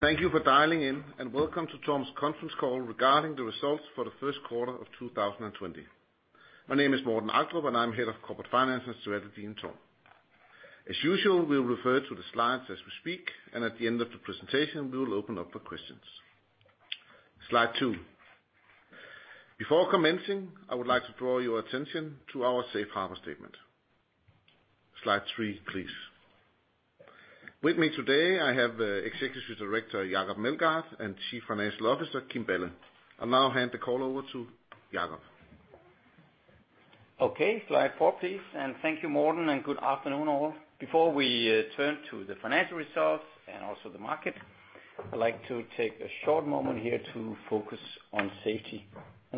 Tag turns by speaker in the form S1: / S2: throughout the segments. S1: Thank you for dialing in, and welcome to TORM's conference call regarding the results for the first quarter of 2020. My name is Morten Agdrup, and I'm Head of Corporate Finance and Strategy in TORM. As usual, we'll refer to the slides as we speak, and at the end of the presentation, we will open up for questions. Slide two. Before commencing, I would like to draw your attention to our safe harbor statement. Slide three, please. With me today, I have Executive Director, Jacob Meldgaard, and Chief Financial Officer, Kim Balle. I'll now hand the call over to Jacob.
S2: Okay, slide four, please, and thank you, Morten, and good afternoon all. Before we turn to the financial results and also the market, I'd like to take a short moment here to focus on safety.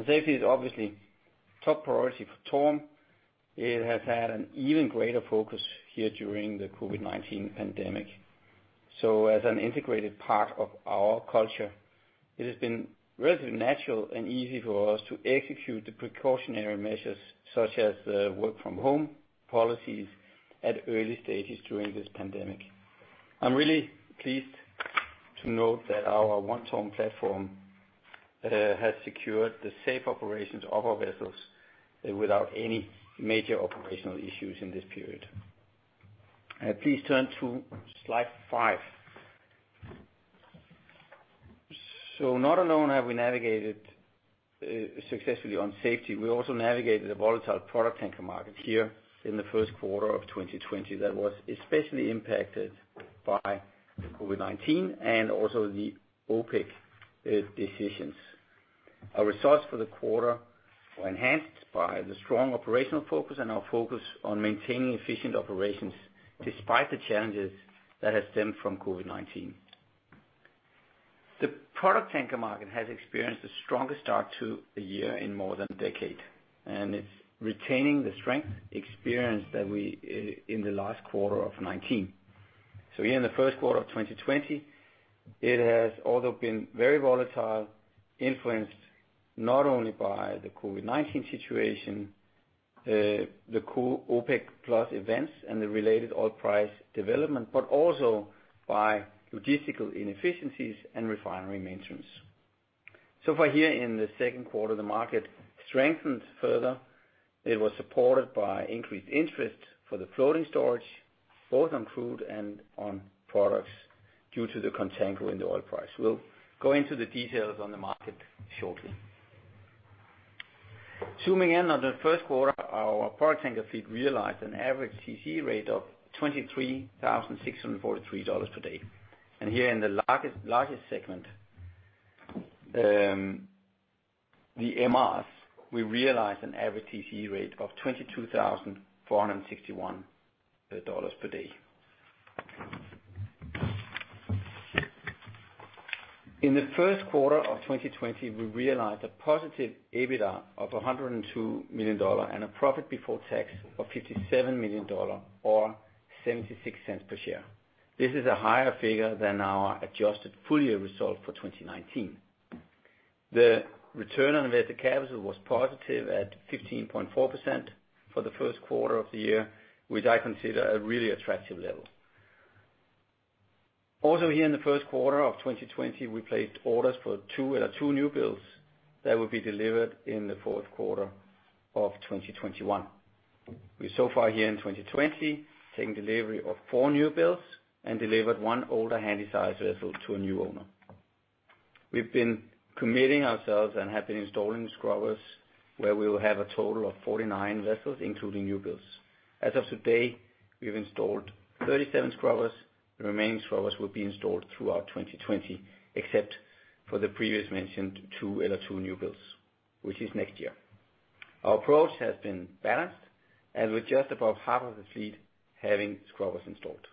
S2: Safety is obviously top priority for TORM. It has had an even greater focus here during the COVID-19 pandemic. As an integrated part of our culture, it has been relatively natural and easy for us to execute the precautionary measures, such as the work from home policies at early stages during this pandemic. I'm really pleased to note that our One TORM platform has secured the safe operations of our vessels without any major operational issues in this period. Please turn to slide five. Not alone have we navigated successfully on safety, we also navigated a volatile product tanker market here in the first quarter of 2020 that was especially impacted by COVID-19 and also the OPEC decisions. Our results for the quarter were enhanced by the strong operational focus and our focus on maintaining efficient operations despite the challenges that have stemmed from COVID-19. The product tanker market has experienced the strongest start to a year in more than a decade, and it's retaining the strength experienced that we in the last quarter of 2019. Here in the first quarter of 2020, it has also been very volatile, influenced not only by the COVID-19 situation, the cool OPEC+ events and the related oil price development, but also by logistical inefficiencies and refinery maintenance. Far here in the second quarter, the market strengthened further. It was supported by increased interest for the floating storage, both on crude and on products, due to the contango in the oil price. We'll go into the details on the market shortly. Zooming in on the first quarter, our product tanker fleet realized an average TC rate of $23,643 per day. Here in the largest segment, the MRs, we realized an average TC rate of $22,461 per day. In the first quarter of 2020, we realized a positive EBITDA of $102 million and a profit before tax of $57 million, or $0.76 per share. This is a higher figure than our adjusted full year result for 2019. The Return on Invested Capital was positive at 15.4% for the first quarter of the year, which I consider a really attractive level. Here in the first quarter of 2020, we placed orders for two new builds that will be delivered in the fourth quarter of 2021. We so far here in 2020, taken delivery of four new builds and delivered one older Handysize vessel to a new owner. We've been committing ourselves and have been installing scrubbers, where we will have a total of 49 vessels, including new builds. As of today, we've installed 37 scrubbers. The remaining scrubbers will be installed throughout 2020, except for the previous mentioned two new builds, which is next year. Our approach has been balanced, and with just above half of the fleet having scrubbers installed.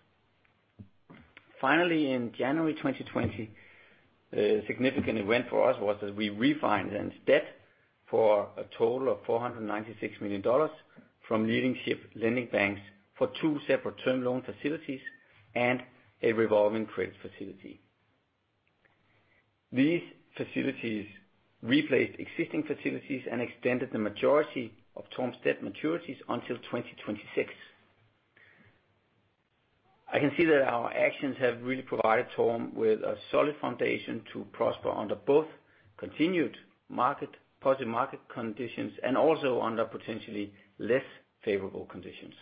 S2: In January 2020, a significant event for us was that we refined in debt for a total of $496 million from leadership lending banks for two separate term loan facilities and a revolving credit facility. These facilities replaced existing facilities and extended the majority of TORM's debt maturities until 2026. I can see that our actions have really provided TORM with a solid foundation to prosper under both continued market, positive market conditions, and also under potentially less favorable conditions.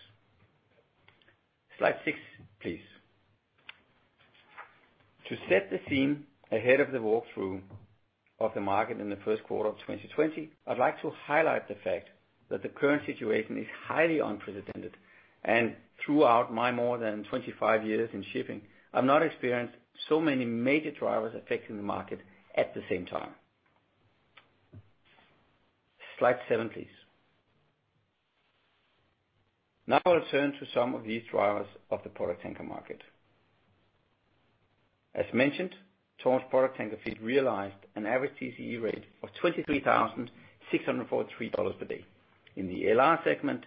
S2: Slide 6, please. To set the scene ahead of the walkthrough of the market in the first quarter of 2020, I'd like to highlight the fact that the current situation is highly unprecedented. Throughout my more than 25 years in shipping, I've not experienced so many major drivers affecting the market at the same time. Slide seven, please. I'll turn to some of these drivers of the product tanker market. As mentioned, TORM's product tanker fleet realized an average TCE rate of $23,643 per day. In the LR segment,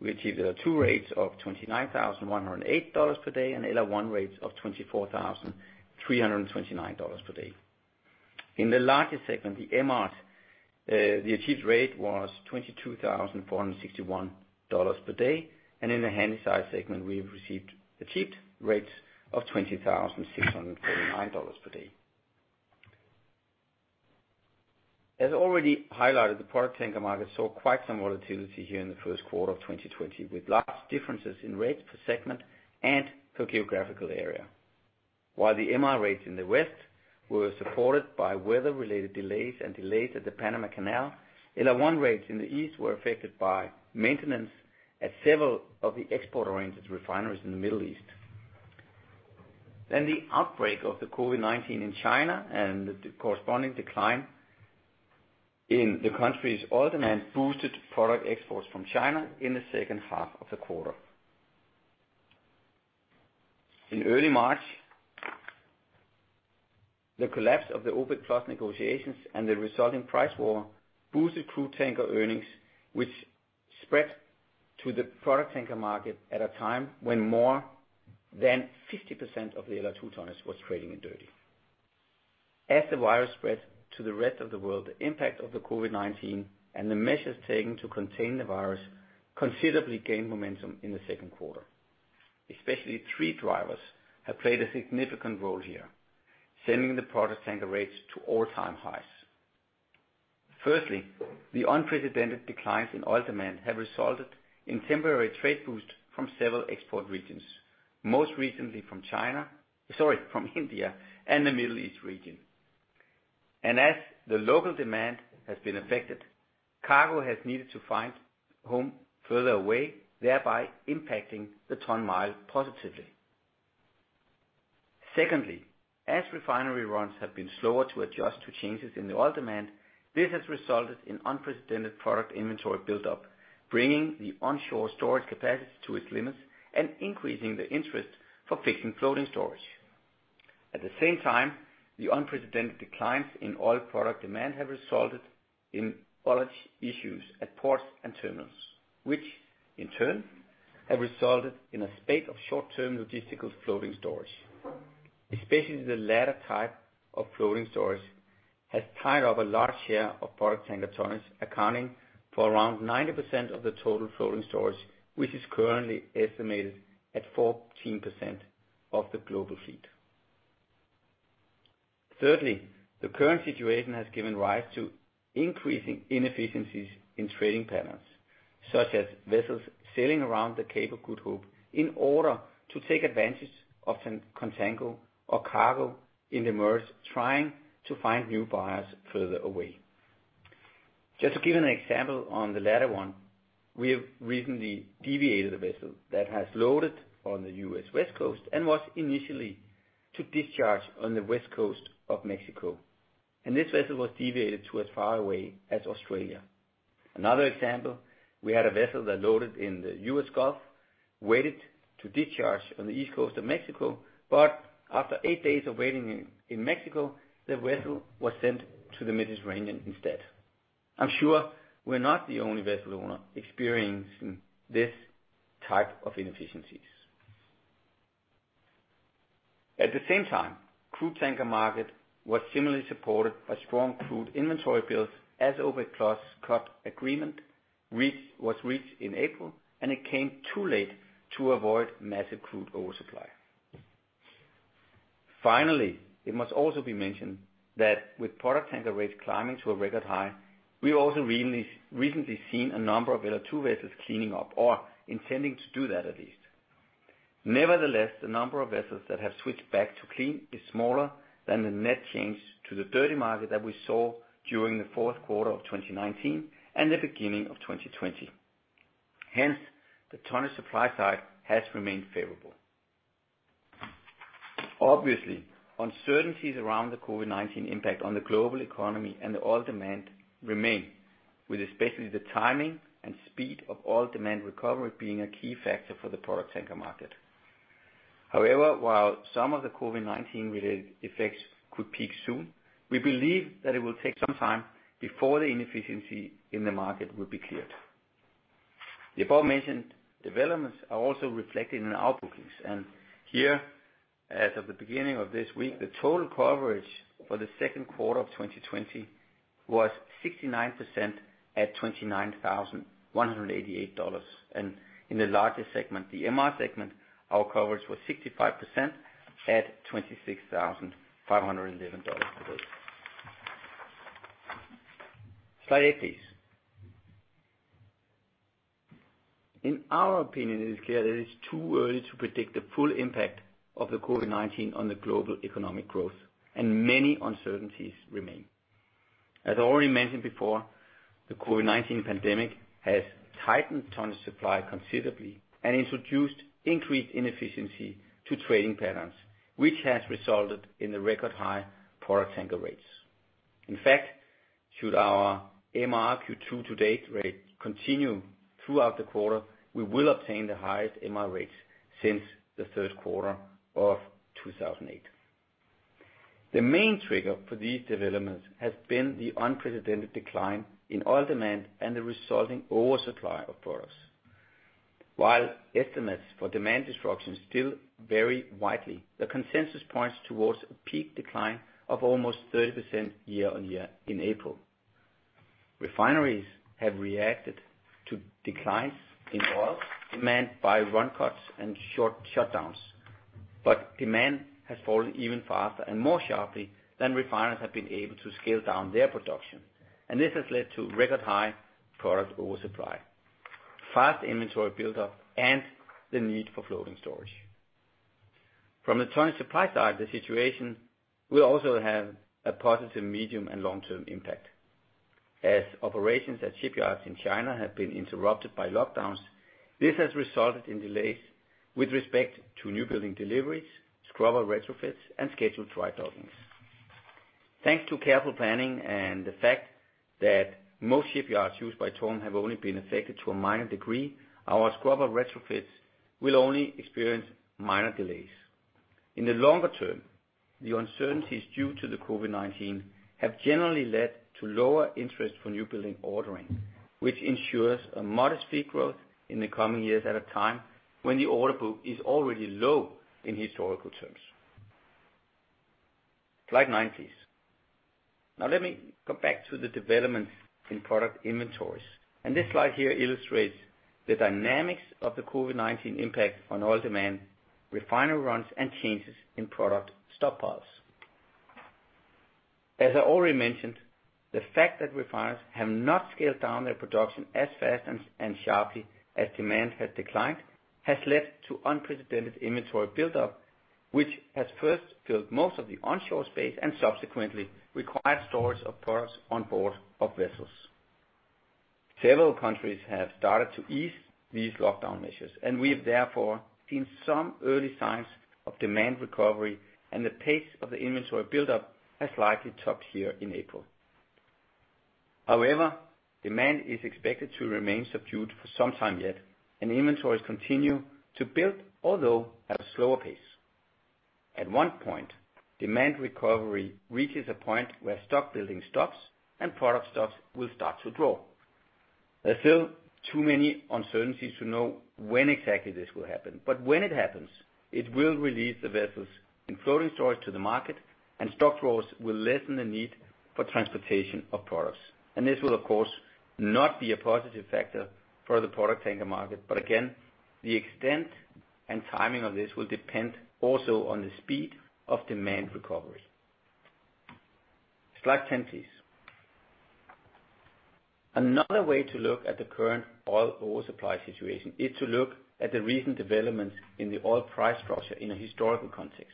S2: we achieved two rates of $29,108 per day, and LR1 rates of $24,329 per day. In the largest segment, the MR, the achieved rate was $22,461 per day, and in the handysize segment, we've received achieved rates of $20,649 per day. As already highlighted, the product tanker market saw quite some volatility here in the first quarter of 2020, with large differences in rates per segment and per geographical area. While the MR rates in the West were supported by weather-related delays and delays at the Panama Canal, LR1 rates in the East were affected by maintenance at several of the export-oriented refineries in the Middle East. The outbreak of the COVID-19 in China and the corresponding decline in the country's oil demand, boosted product exports from China in the second half of the quarter. In early March, the collapse of the OPEC+ negotiations and the resulting price war boosted crude tanker earnings, which spread to the product tanker market at a time when more than 50% of the LR2 tonnage was trading in dirty. As the virus spread to the rest of the world, the impact of the COVID-19 and the measures taken to contain the virus considerably gained momentum in the second quarter. Especially, three drivers have played a significant role here, sending the product tanker rates to all-time highs. Firstly, the unprecedented declines in oil demand have resulted in temporary trade boost from several export regions, most recently from China, sorry, from India and the Middle East region. As the local demand has been affected, cargo has needed to find home further away, thereby impacting the ton-mile positively. Secondly, as refinery runs have been slower to adjust to changes in the oil demand, this has resulted in unprecedented product inventory buildup, bringing the onshore storage capacity to its limits and increasing the interest for fixing floating storage. At the same time, the unprecedented declines in oil product demand have resulted in bulge issues at ports and terminals, which in turn have resulted in a spate of short-term logistical floating storage. Especially, the latter type of floating storage has tied up a large share of product tanker tonnage, accounting for around 90% of the total floating storage, which is currently estimated at 14% of the global fleet. Thirdly, the current situation has given rise to increasing inefficiencies in trading patterns, such as vessels sailing around the Cape of Good Hope in order to take advantage of contango or cargo in demurrage, trying to find new buyers further away. Just to give an example on the latter one, we have recently deviated a vessel that has loaded on the US West Coast and was initially to discharge on the West Coast of Mexico. This vessel was deviated to as far away as Australia. Another example, we had a vessel that loaded in the U.S. Gulf, waited to discharge on the East Coast of Mexico. After 8 days of waiting in Mexico, the vessel was sent to the Mediterranean instead. I'm sure we're not the only vessel owner experiencing this type of inefficiencies. At the same time, crude tanker market was similarly supported by strong crude inventory builds as OPEC+ cut agreement was reached in April. It came too late to avoid massive crude oversupply. Finally, it must also be mentioned that with product tanker rates climbing to a record high, we've also really recently seen a number of LR2 vessels cleaning up or intending to do that, at least. Nevertheless, the number of vessels that have switched back to clean is smaller than the net change to the dirty market that we saw during the fourth quarter of 2019 and the beginning of 2020. Hence, the tonnage supply side has remained favorable. Obviously, uncertainties around the COVID-19 impact on the global economy and the oil demand remain, with especially the timing and speed of oil demand recovery being a key factor for the product tanker market. However, while some of the COVID-19 related effects could peak soon, we believe that it will take some time before the inefficiency in the market will be cleared. The above-mentioned developments are also reflected in our bookings, and here, as of the beginning of this week, the total coverage for the second quarter of 2020 was 69% at $29,188. In the largest segment, the MR segment, our coverage was 65% at $26,511 per day. Slide eight, please. In our opinion, it is clear that it is too early to predict the full impact of the COVID-19 on the global economic growth, and many uncertainties remain. As already mentioned before, the COVID-19 pandemic has tightened ton supply considerably and introduced increased inefficiency to trading patterns, which has resulted in the record high product tanker rates. In fact, should our MRQ2 to-date rate continue throughout the quarter, we will obtain the highest MR rates since the third quarter of 2008. The main trigger for these developments has been the unprecedented decline in oil demand and the resulting oversupply of products. While estimates for demand destruction still vary widely, the consensus points towards a peak decline of almost 30% year-on-year in April. Refineries have reacted to declines in oil demand by run cuts and short shutdowns, but demand has fallen even faster and more sharply than refiners have been able to scale down their production, and this has led to record high product oversupply, fast inventory buildup, and the need for floating storage. From the current supply side, the situation will also have a positive medium and long-term impact. As operations at shipyards in China have been interrupted by lockdowns, this has resulted in delays with respect to new building deliveries, scrubber retrofits, and scheduled dry dockings. Thanks to careful planning and the fact that most shipyards used by TORM have only been affected to a minor degree, our scrubber retrofits will only experience minor delays. In the longer term, the uncertainties due to the COVID-19 have generally led to lower interest for new building ordering, which ensures a modest fee growth in the coming years at a time when the order book is already low in historical terms. Slide nine, please. Let me go back to the developments in product inventories. This slide here illustrates the dynamics of the COVID-19 impact on oil demand, refinery runs, and changes in product stockpiles. As I already mentioned, the fact that refiners have not scaled down their production as fast and sharply as demand has declined, has led to unprecedented inventory buildup, which has first filled most of the onshore space and subsequently required storage of products on board of vessels. Several countries have started to ease these lockdown measures. We have therefore seen some early signs of demand recovery. The pace of the inventory buildup has likely topped here in April. However, demand is expected to remain subdued for some time yet, and inventories continue to build, although at a slower pace. At one point, demand recovery reaches a point where stock building stops and product stocks will start to draw. There are still too many uncertainties to know when exactly this will happen, but when it happens, it will release the vessels in floating storage to the market, and stock draws will lessen the need for transportation of products. This will, of course, not be a positive factor for the product tanker market. Again, the extent and timing of this will depend also on the speed of demand recovery. Slide 10, please. Another way to look at the current oil oversupply situation is to look at the recent developments in the oil price structure in a historical context.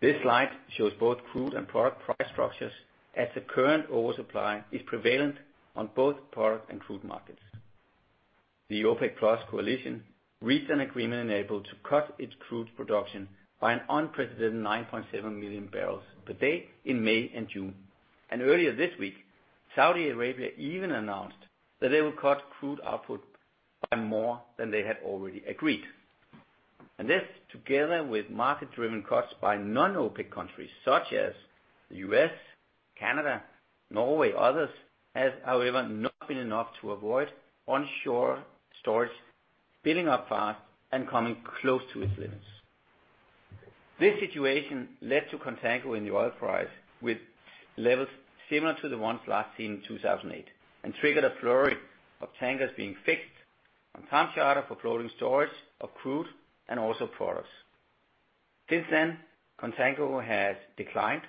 S2: This slide shows both crude and product price structures, as the current oversupply is prevalent on both product and crude markets. The OPEC+ coalition reached an agreement enabled to cut its crude production by an unprecedented 9.7 million barrels per day in May and June. Earlier this week, Saudi Arabia even announced that they will cut crude output by more than they had already agreed. This, together with market-driven cuts by non-OPEC countries such as the U.S., Canada, Norway, others, has however, not been enough to avoid onshore storage building up fast and coming close to its limits. This situation led to contango in the oil price, with levels similar to the ones last seen in 2008, and triggered a flurry of tankers being fixed on time charter for floating storage of crude and also products. Since then, contango has declined,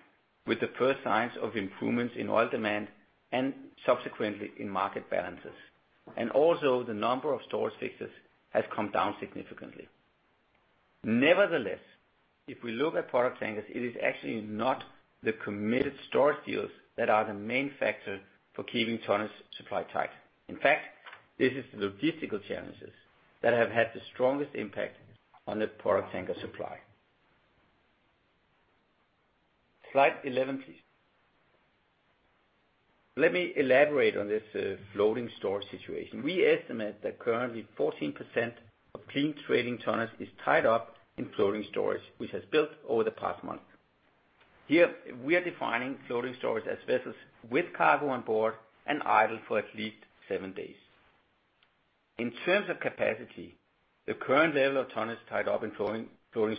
S2: with the first signs of improvements in oil demand and subsequently in market balances, and also the number of storage fixes has come down significantly. Nevertheless, if we look at product tankers, it is actually not the committed storage deals that are the main factor for keeping tonnages supply tight. In fact, this is the logistical challenges that have had the strongest impact on the product tanker supply. Slide 11, please. Let me elaborate on this floating storage situation. We estimate that currently 14% of clean trading tonnages is tied up in floating storage, which has built over the past month. Here, we are defining floating storage as vessels with cargo on board and idle for at least seven days. In terms of capacity, the current level of tonnages tied up in floating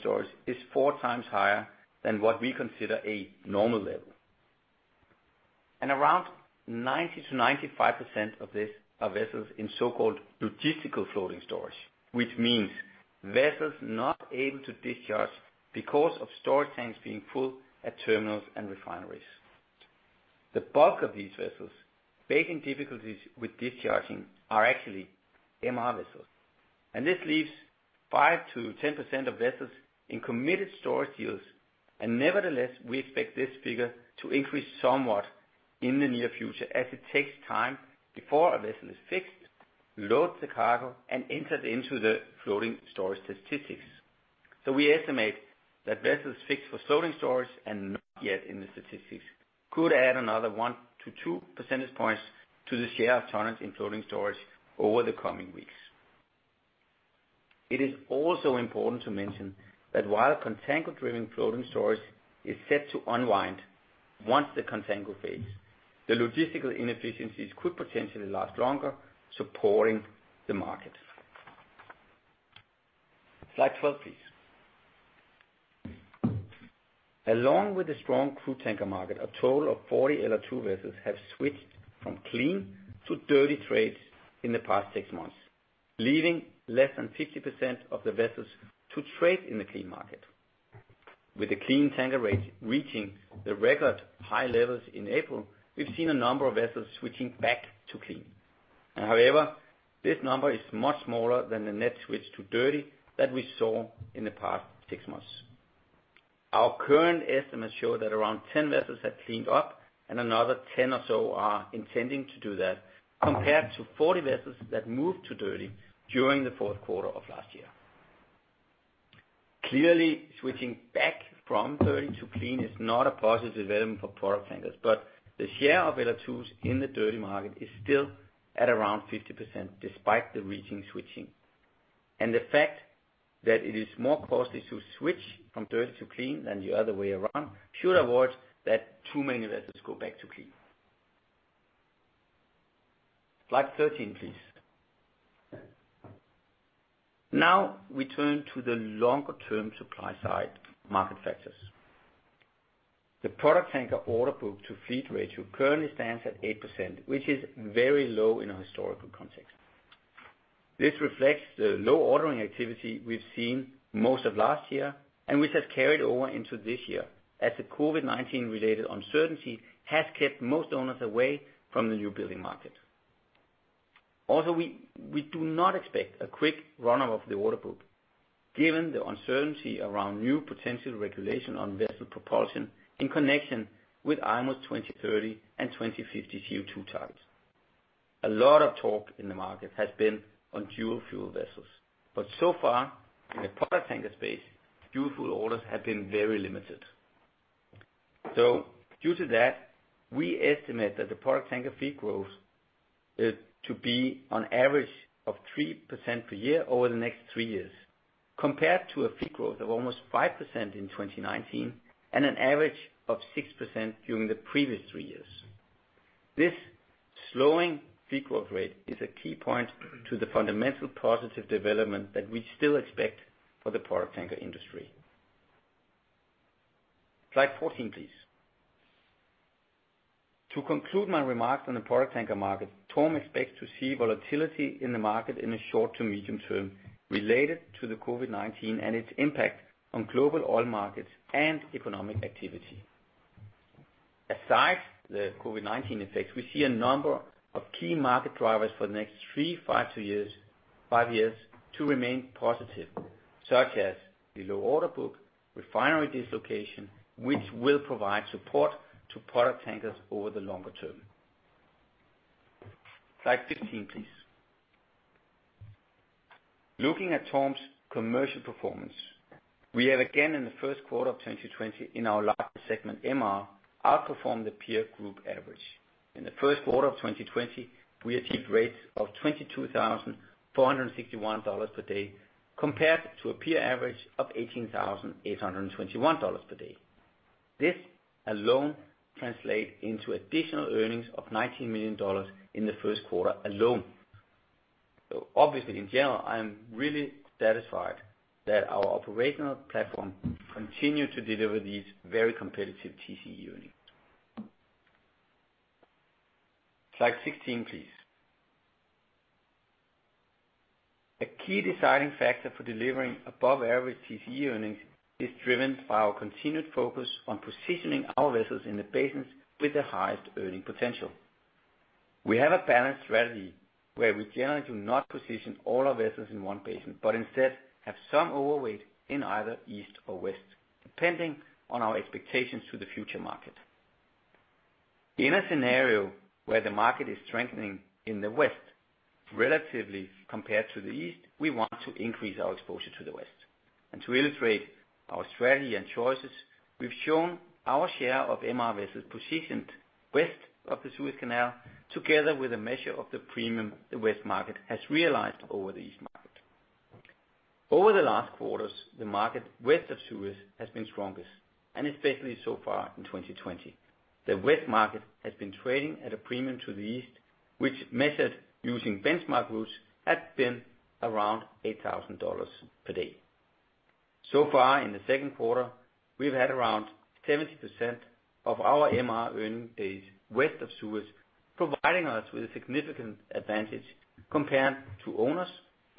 S2: storage is 4x higher than what we consider a normal level. Around 90%-95% of this are vessels in so-called logistical floating storage, which means vessels not able to discharge because of storage tanks being full at terminals and refineries. The bulk of these vessels facing difficulties with discharging are actually MR vessels, and this leaves 5%-10% of vessels in committed storage deals. Nevertheless, we expect this figure to increase somewhat in the near future, as it takes time before a vessel is fixed, loads the cargo, and enters into the floating storage statistics. We estimate that vessels fixed for floating storage and not yet in the statistics could add another 1-2 percentage points to the share of tonnage in floating storage over the coming weeks. It is also important to mention that while contango-driven floating storage is set to unwind, once the contango fades, the logistical inefficiencies could potentially last longer, supporting the market. Slide 12, please. Along with the strong crude tanker market, a total of 40 LR2 vessels have switched from clean to dirty trades in the past six months, leaving less than 50% of the vessels to trade in the clean market. With the clean tanker rate reaching the record high levels in April, we've seen a number of vessels switching back to clean. However, this number is much smaller than the net switch to dirty that we saw in the past 6 months. Our current estimates show that around 10 vessels have cleaned up, and another 10 or so are intending to do that, compared to 40 vessels that moved to dirty during the fourth quarter of last year. Clearly, switching back from dirty to clean is not a positive development for product tankers, but the share of LR2s in the dirty market is still at around 50%, despite the switching. The fact that it is more costly to switch from dirty to clean than the other way around should avoid that too many vessels go back to clean. Slide 13, please. We turn to the longer term supply side market factors. The product tanker order book to fleet ratio currently stands at 8%, which is very low in a historical context. This reflects the low ordering activity we've seen most of last year, and which has carried over into this year, as the COVID-19 related uncertainty has kept most owners away from the new building market. We do not expect a quick run of the order book, given the uncertainty around new potential regulation on vessel propulsion in connection with IMO 2030 and 2050 CO2 targets. A lot of talk in the market has been on dual-fuel vessels, but so far, in the product tanker space, dual-fuel orders have been very limited. Due to that, we estimate that the product tanker fleet growth, is to be on average of 3% per year over the next three years, compared to a fleet growth of almost 5% in 2019, and an average of 6% during the previous three years. This slowing fleet growth rate is a key point to the fundamental positive development that we still expect for the product tanker industry. Slide 14, please. To conclude my remarks on the product tanker market, TORM expects to see volatility in the market in the short to medium term related to the COVID-19 and its impact on global oil markets and economic activity. Aside the COVID-19 effects, we see a number of key market drivers for the next three, five years to remain positive, such as the low order book, refinery dislocation, which will provide support to product tankers over the longer term. Slide 15, please. Looking at TORM's commercial performance, we have again, in the first quarter of 2020, in our largest segment, MR, outperformed the peer group average. In the first quarter of 2020, we achieved rates of $22,461 per day, compared to a peer average of $18,821 per day. This alone translate into additional earnings of $19 million in the first quarter alone. Obviously, in general, I am really satisfied that our operational platform continued to deliver these very competitive TCE earnings. Slide 16, please. A key deciding factor for delivering above average TCE earnings is driven by our continued focus on positioning our vessels in the basins with the highest earning potential. We have a balanced strategy where we generally do not position all our vessels in one basin, but instead have some overweight in either east or west, depending on our expectations to the future market. In a scenario where the market is strengthening in the west, relatively compared to the east, we want to increase our exposure to the west. To illustrate our strategy and choices, we've shown our share of MR vessels positioned west of the Suez Canal, together with a measure of the premium the west market has realized over the east market. Over the last quarters, the market west of Suez has been strongest, and especially so far in 2020. The west market has been trading at a premium to the east, which measured using benchmark routes, has been around $8,000 per day. So far in the second quarter, we've had around 70% of our MR earning days west of Suez, providing us with a significant advantage compared to owners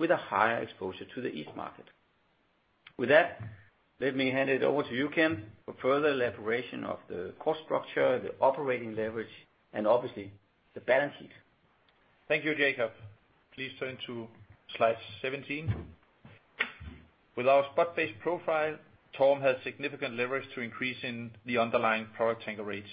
S2: with a higher exposure to the east market. With that, let me hand it over to you, Kim, for further elaboration of the cost structure, the operating leverage, and obviously, the balance sheet.
S3: Thank you, Jacob. Please turn to slide 17. With our spot-based profile, TORM has significant leverage to increase in the underlying product tanker rates.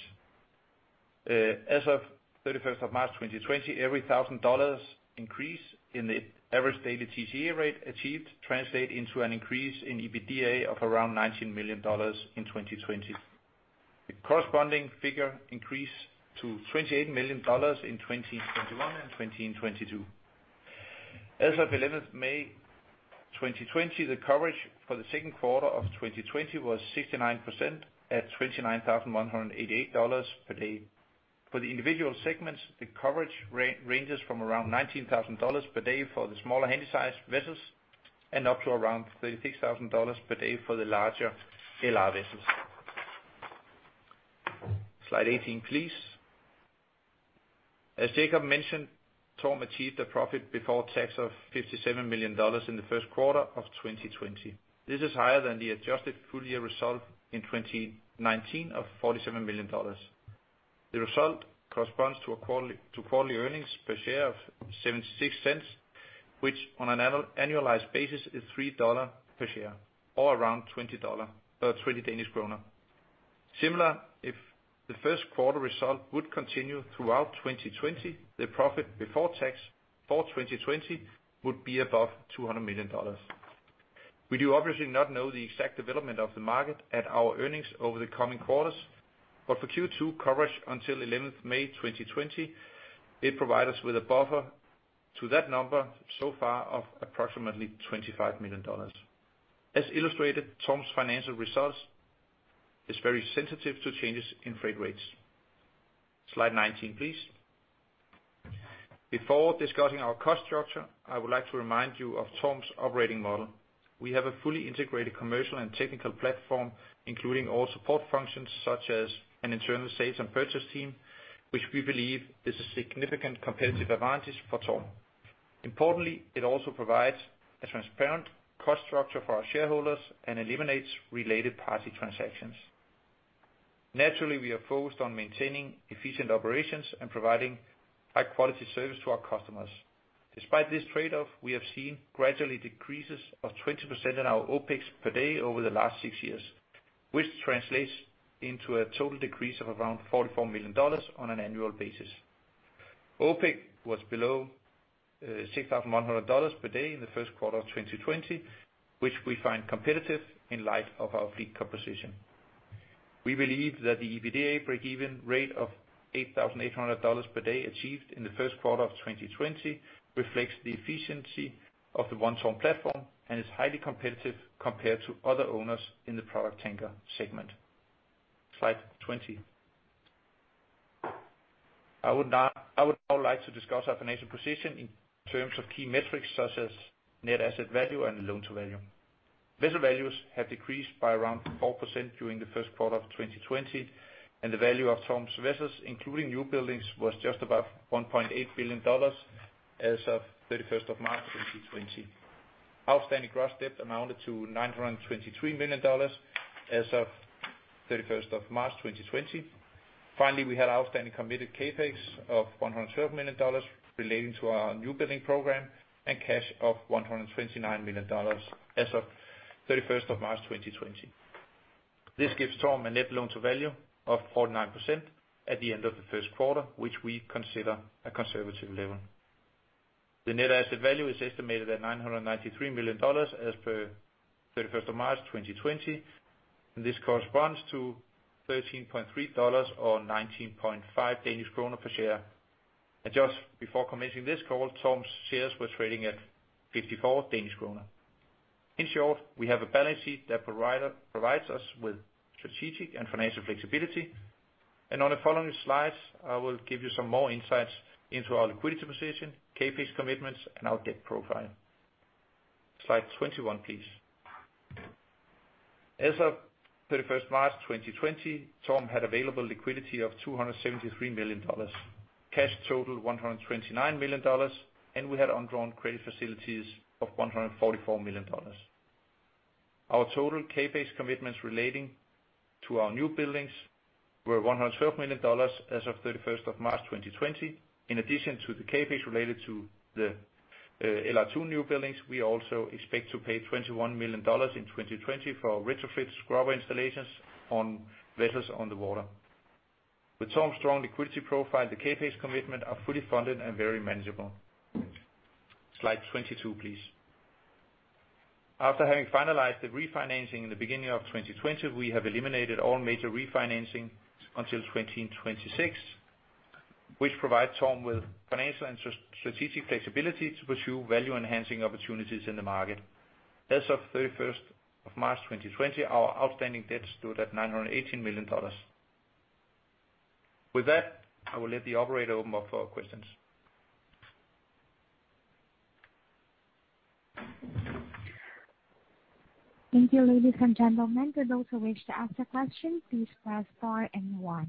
S3: As of 31st of March 2020, every $1,000 increase in the average daily TCE rate achieved, translate into an increase in EBITDA of around $19 million in 2020. The corresponding figure increased to $28 million in 2021 and 2022. As of 11th May 2020, the coverage for the second quarter of 2020 was 69% at $29,188 per day. For the individual segments, the coverage ranges from around $19,000 per day for the smaller Handysize vessels, and up to around $36,000 per day for the larger LR vessels. Slide 18, please. As Jacob mentioned, TORM achieved a profit before tax of $57 million in the first quarter of 2020. This is higher than the adjusted full year result in 2019 of $47 million. The result corresponds to a quarterly earnings per share of $0.76, which on an annualized basis, is $3 per share, or around $20 DKK. Similar, if the first quarter result would continue throughout 2020, the profit before tax for 2020 would be above $200 million. We do obviously not know the exact development of the market and our earnings over the coming quarters, but for Q2 coverage until 11th May 2020, it provide us with a buffer to that number so far of approximately $25 million. As illustrated, TORM's financial results is very sensitive to changes in freight rates. Slide 19, please. Before discussing our cost structure, I would like to remind you of TORM's operating model. We have a fully integrated commercial and technical platform, including all support functions such as an internal sales and purchase team, which we believe is a significant competitive advantage for TORM. Importantly, it also provides a transparent cost structure for our shareholders and eliminates related party transactions. Naturally, we are focused on maintaining efficient operations and providing high quality service to our customers. Despite this trade-off, we have seen gradually decreases of 20% in our OpEx per day over the last six years, which translates into a total decrease of around $44 million on an annual basis. OpEx was below $6,100 per day in the first quarter of 2020, which we find competitive in light of our fleet composition. We believe that the EBITDA breakeven rate of $8,800 per day achieved in the first quarter of 2020, reflects the efficiency of the One TORM platform, and is highly competitive compared to other owners in the product tanker segment. Slide 20. I would now like to discuss our financial position in terms of key metrics such as net asset value and loan-to-value. Vessel values have decreased by around 4% during the first quarter of 2020, and the value of TORM's vessels, including new buildings, was just about $1.8 billion as of 31st of March, 2020. Outstanding gross debt amounted to $923 million as of 31st of March, 2020. Finally, we had outstanding committed CapEx of $112 million relating to our new building program, and cash of $129 million as of 31st of March, 2020. This gives TORM a net loan-to-value of 49% at the end of the first quarter, which we consider a conservative level. The net asset value is estimated at $993 million as per 31st of March, 2020, this corresponds to $13.3 or 19.5 Danish krone per share. Just before commencing this call, TORM's shares were trading at 54 Danish krone. In short, we have a balance sheet that provides us with strategic and financial flexibility. On the following slides, I will give you some more insights into our liquidity position, CapEx commitments, and our debt profile. Slide 21, please. As of 31st March, 2020, TORM had available liquidity of $273 million. Cash totaled $129 million, and we had undrawn credit facilities of $144 million. Our total CapEx commitments relating to our new buildings were $112 million as of 31st of March, 2020. In addition to the CapEx related to the LR2 new buildings, we also expect to pay $21 million in 2020 for retrofit scrubber installations on vessels on the water. With TORM's strong liquidity profile, the CapEx commitment are fully funded and very manageable. Slide 22, please. After having finalized the refinancing in the beginning of 2020, we have eliminated all major refinancing until 2026, which provides TORM with financial and strategic flexibility to pursue value-enhancing opportunities in the market. As of 31st of March, 2020, our outstanding debts stood at $918 million. With that, I will let the operator open up for questions.
S4: Thank you, ladies and gentlemen. For those who wish to ask a question, "please press star and one".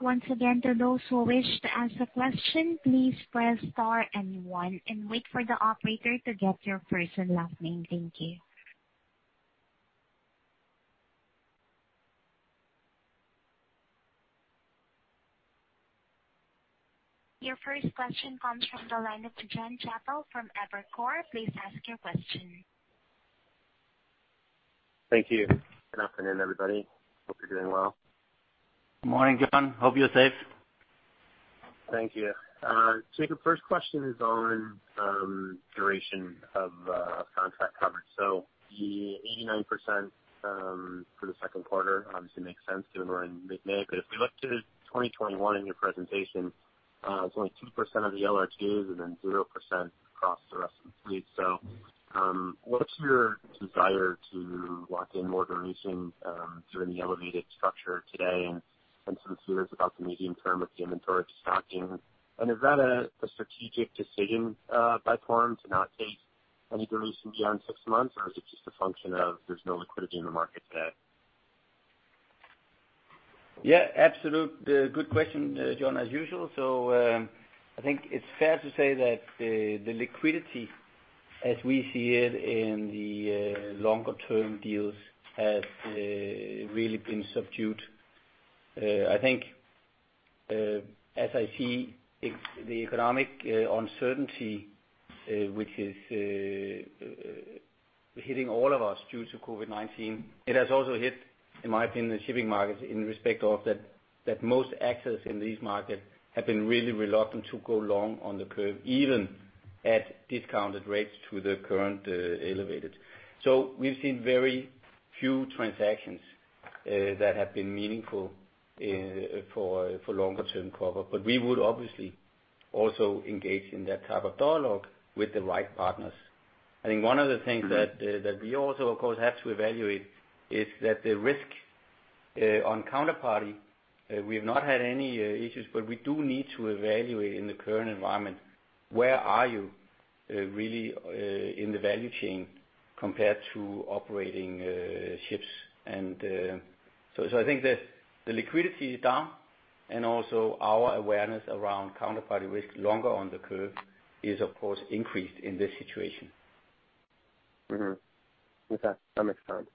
S4: Once again, for those who wish to ask a question, "please press star and one", and wait for the operator to get your first and last name. Thank you. Your first question comes from the line of Jonathan Chappell from Evercore. Please ask your question.
S5: Thank you. Good afternoon, everybody. Hope you're doing well.
S2: Good morning, John. Hope you're safe.
S5: Thank you. The first question is on duration of contract coverage. The 89% for the 2Q obviously makes sense, given we're in mid-May. If we look to 2021 in your presentation, it's only 2% of the LR1s and then 0% across the rest of the fleet. What's your desire to lock in more duration during the elevated structure today and some fears about the medium term of the inventory stocking? Is that a strategic decision by TORM to not take any duration beyond six months, or is it just a function of there's no liquidity in the market today?
S2: Yeah, absolute good question, John, as usual. I think it's fair to say that the liquidity as we see it in the longer term deals has really been subdued. I think as I see the economic uncertainty, which is hitting all of us due to COVID-19, it has also hit, in my opinion, the shipping markets in respect of that most actors in these markets have been really reluctant to go long on the curve, even at discounted rates to the current elevated. We've seen very few transactions that have been meaningful for longer term cover. We would obviously also engage in that type of dialogue with the right partners. I think one of the things that we also, of course, have to evaluate is that the risk, on counterparty, we have not had any issues, but we do need to evaluate in the current environment, where are you really in the value chain compared to operating ships? I think that the liquidity is down, and also our awareness around counterparty risk longer on the curve is, of course, increased in this situation.
S5: Okay, that makes sense.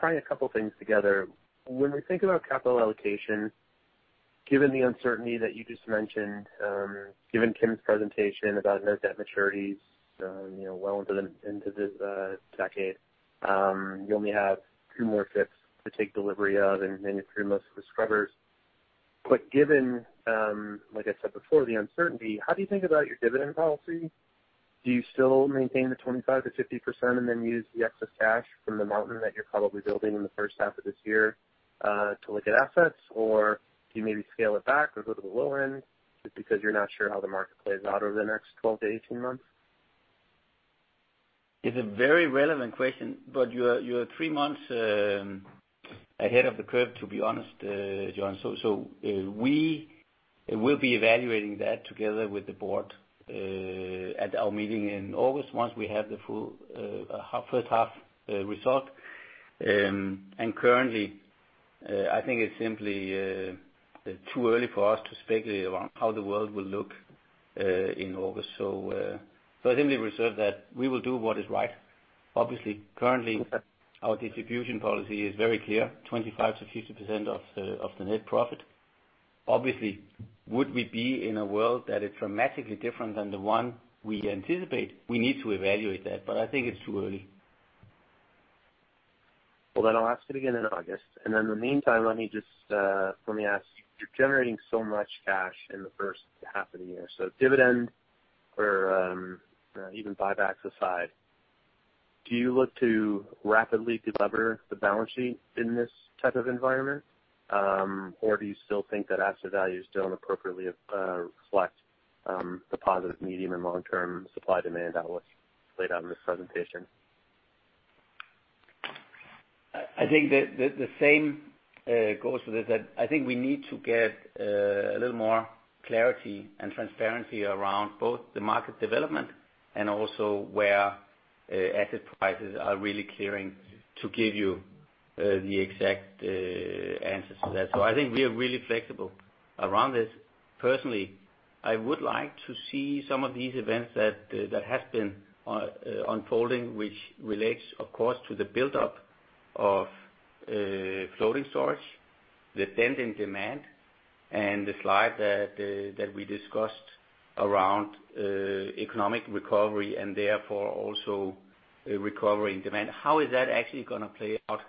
S5: Tying a couple things together. When we think about capital allocation, given the uncertainty that you just mentioned, given Kim's presentation about net debt maturities, you know, well into the, into this decade, you only have two more ships to take delivery of, and then your three months of scrubbers. Given, like I said before, the uncertainty, how do you think about your dividend policy? Do you still maintain the 25%-50% and then use the excess cash from the mountain that you're probably building in the first half of this year, to look at assets? Or do you maybe scale it back or go to the low end just because you're not sure how the market plays out over the next 12-18 months?
S2: It's a very relevant question, you are three months ahead of the curve, to be honest, John. We will be evaluating that together with the board at our meeting in August, once we have the full first half result. Currently, I think it's simply too early for us to speculate around how the world will look in August. I think we reserve that. We will do what is right. Obviously, currently, our distribution policy is very clear, 25%-50% of the net profit. Obviously, would we be in a world that is dramatically different than the one we anticipate? We need to evaluate that, I think it's too early.
S5: I'll ask it again in August. In the meantime, let me just, let me ask, you're generating so much cash in the first half of the year. Dividend or, even buybacks aside, do you look to rapidly delever the balance sheet in this type of environment? Do you still think that asset values don't appropriately reflect the positive medium and long-term supply-demand outlook laid out in this presentation?
S2: I think that the same goes with this, that I think we need to get a little more clarity and transparency around both the market development and also where asset prices are really clearing to give you the exact answers to that. I think we are really flexible around this. Personally, I would like to see some of these events that has been unfolding, which relates, of course, to the buildup of floating storage, the dent in demand, and the slide that we discussed around economic recovery and therefore also a recovery in demand. How is that actually gonna play out?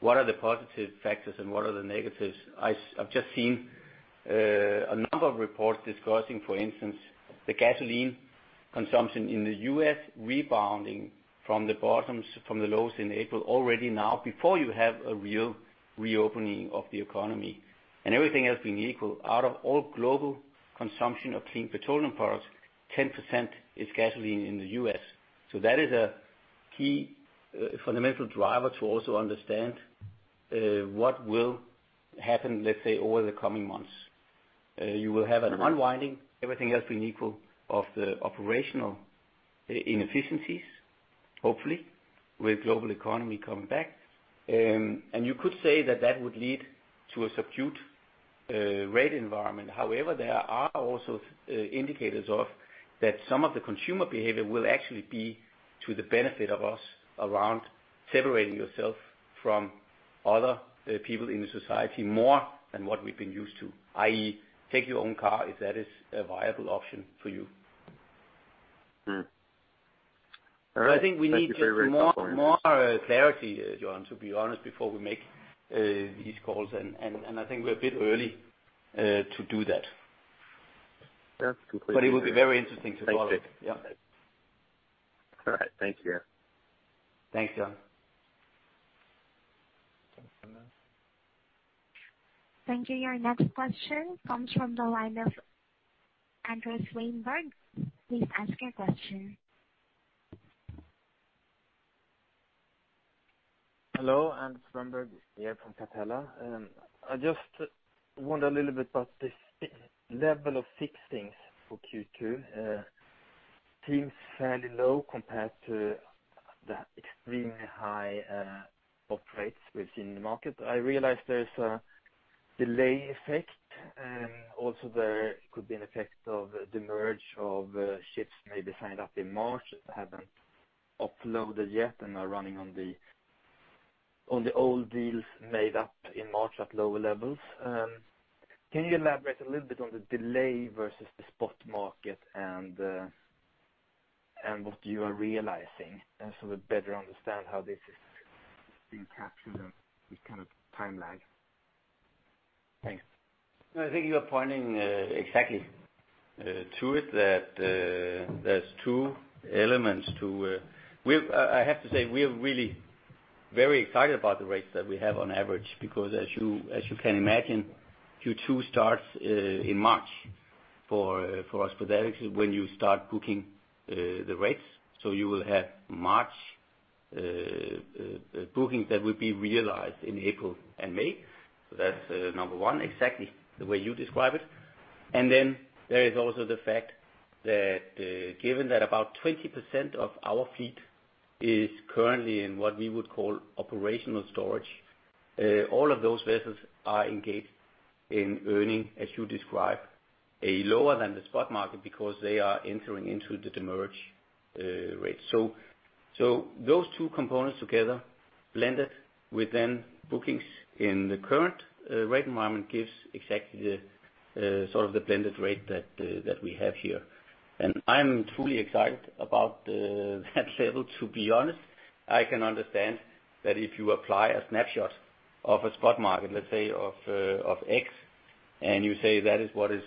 S2: What are the positive factors and what are the negatives? I've just seen a number of reports discussing, for instance, the gasoline consumption in the U.S. rebounding from the bottoms, from the lows in April, already now, before you have a real reopening of the economy. Everything else being equal, out of all global consumption of clean petroleum products, 10% is gasoline in the U.S. That is a key fundamental driver to also understand what will happen, let's say, over the coming months. You will have an unwinding, everything else being equal, of the operational inefficiencies, hopefully, with global economy coming back. You could say that that would lead to a subdued rate environment. However, there are also indicators of, that some of the consumer behavior will actually be to the benefit of us around separating yourself from other, people in the society more than what we've been used to, i.e., take your own car if that is a viable option for you.
S5: All right.
S2: I think we need more clarity, John, to be honest, before we make these calls, and I think we're a bit early to do that.
S5: That's.
S2: It will be very interesting to follow it.
S5: Thank you.
S2: Yeah.
S5: All right. Thank you.
S2: Thanks, John.
S4: Thank you. Your next question comes from the line of Anders Svenborg. Please ask your question.
S6: Hello, Anders Svenborg here from Capella. I just wonder a little bit about this level of fixings for Q2, seems fairly low compared to the extremely high operates we've seen in the market. I realize there's a delay effect, and also there could be an effect of the merge of ships maybe signed up in March, haven't offloaded yet and are running on the old deals made up in March at lower levels. Can you elaborate a little bit on the delay versus the spot market and what you are realizing, and so we better understand how this is being captured and this kind of timeline? Thanks.
S2: I think you are pointing exactly to it, that there's two elements to. I have to say, we are really very excited about the rates that we have on average, because as you, as you can imagine, Q2 starts in March for us, for that, when you start booking the rates. You will have March bookings that will be realized in April and May. That's number one, exactly the way you describe it. There is also the fact that, given that about 20% of our fleet is currently in what we would call operational storage, all of those vessels are engaged in earning, as you describe, a lower than the spot market because they are entering into the demurrage rate. Those two components together, blended with then bookings in the current rate environment, gives exactly the sort of the blended rate that we have here. I'm truly excited about the, that level, to be honest. I can understand that if you apply a snapshot of a spot market, let's say, of X, and you say that is what is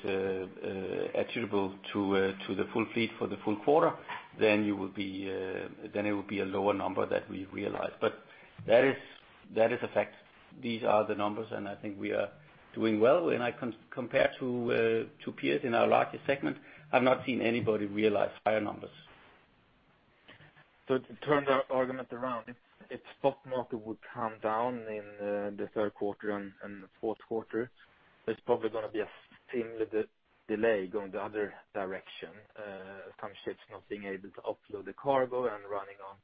S2: attributable to the full fleet for the full quarter, then you will be, then it would be a lower number that we realized. That is a fact. These are the numbers, I think we are doing well. When I compare to peers in our largest segment, I've not seen anybody realize higher numbers.
S6: To turn the argument around, if spot market would come down in the third quarter and the fourth quarter, there's probably gonna be a similar delay going the other direction, some ships not being able to offload the cargo and running on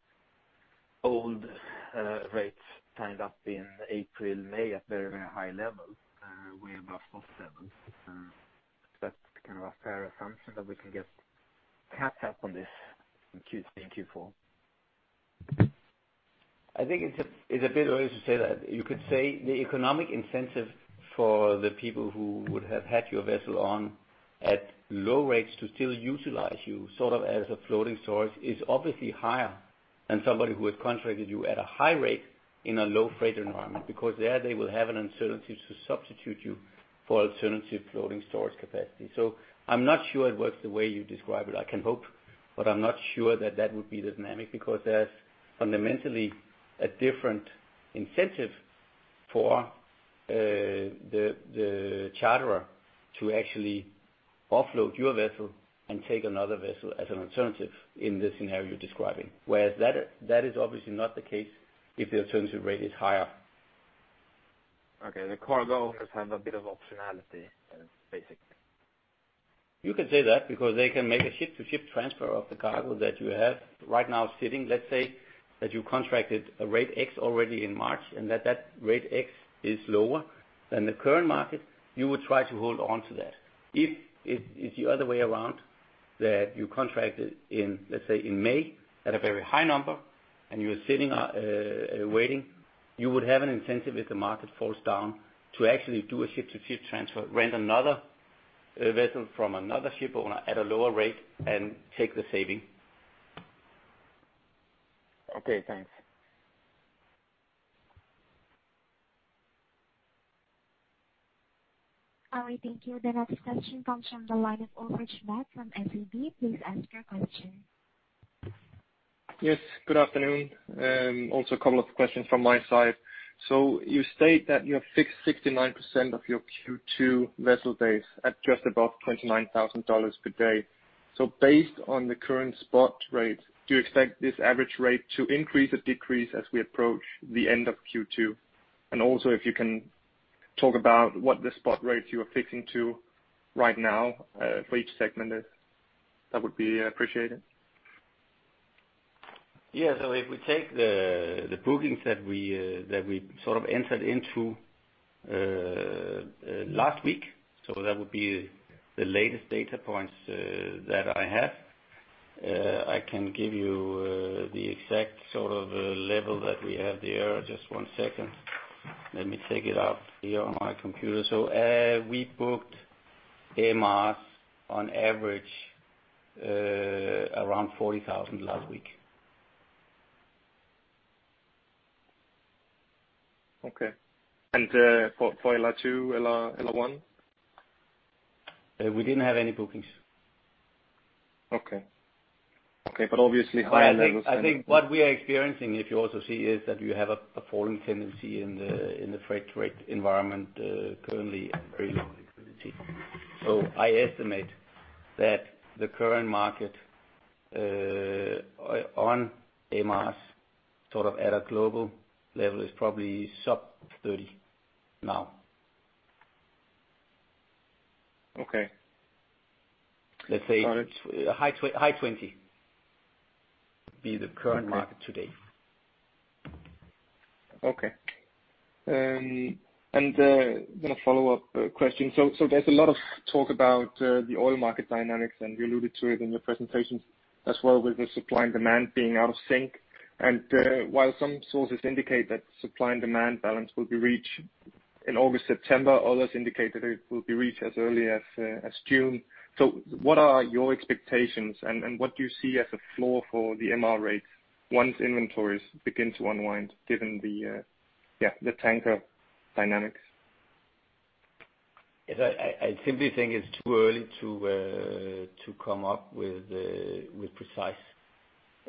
S6: old rates signed up in April, May, at very, very high levels, way above of seven. That's kind of a fair assumption that we can get caught up on this in Q3 and Q4?
S2: I think it's a bit early to say that. You could say the economic incentive for the people who would have had your vessel on at low rates to still utilize you, sort of as a floating storage, is obviously higher than somebody who has contracted you at a high rate in a low freight environment, because there they will have an incentive to substitute you for alternative floating storage capacity. I'm not sure it works the way you describe it. I can hope, but I'm not sure that that would be the dynamic, because there's fundamentally a different incentive for the charterer to actually offload your vessel and take another vessel as an alternative in the scenario you're describing. Whereas that is obviously not the case if the alternative rate is higher.
S6: Okay. The cargo has a bit of optionality, basically.
S2: You could say that, because they can make a ship-to-ship transfer of the cargo that you have right now sitting. Let's say that you contracted a rate X already in March, and that that rate X is lower than the current market, you would try to hold on to that. If it is the other way around, that you contracted in, let's say, in May, at a very high number, and you are sitting, waiting, you would have an incentive if the market falls down to actually do a ship-to-ship transfer, rent another vessel from another ship owner at a lower rate and take the saving.
S6: Okay, thanks.
S4: All right, thank you. The next question comes from the line of Ulrik Bak from SEB. Please ask your question.
S7: Good afternoon. Also a couple of questions from my side. You state that you have fixed 69% of your Q2 vessel days at just above $29,000 per day. Based on the current spot rates, do you expect this average rate to increase or decrease as we approach the end of Q2? If you can talk about what the spot rates you are fixing to right now for each segment is, that would be appreciated.
S2: Yeah. If we take the bookings that we sort of entered into last week, that would be the latest data points that I have. I can give you the exact sort of level that we have there. Just one second. Let me take it out here on my computer. We booked MRs on average, around $40,000 last week.
S7: Okay. for LR2, LR1?
S2: We didn't have any bookings.
S7: Okay.
S2: I think what we are experiencing, if you also see, is that you have a falling tendency in the freight rate environment, currently very low liquidity. I estimate that the current market on MRs, sort of at a global level, is probably sub 30 now.
S7: Okay.
S2: Let's say, high 20, be the current market today.
S7: Okay. Then a follow-up question. There's a lot of talk about the oil market dynamics, and you alluded to it in your presentations as well, with the supply and demand being out of sync. While some sources indicate that supply and demand balance will be reached in August, September, others indicate that it will be reached as early as June. What are your expectations, and what do you see as a floor for the MR rates once inventories begin to unwind, given the, yeah, the tanker dynamics?
S2: Yes, I simply think it's too early to come up with precise